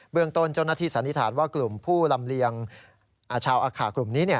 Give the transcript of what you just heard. เรื่องต้นเจ้าหน้าที่สันนิษฐานว่ากลุ่มผู้ลำเลียงชาวอาขากลุ่มนี้